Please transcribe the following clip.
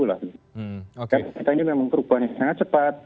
karena kita ini memang perubahan yang sangat cepat